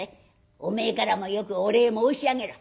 お前からもよくお礼申し上げろ」。